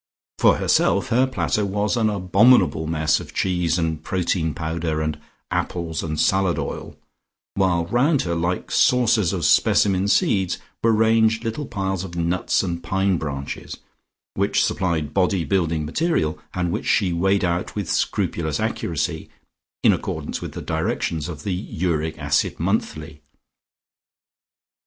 For herself her platter was an abominable mess of cheese and protein powder and apples and salad oil, while round her, like saucers of specimen seeds were ranged little piles of nuts and pine branches, which supplied body building material, and which she weighed out with scrupulous accuracy, in accordance with the directions of the "Uric Acid Monthly."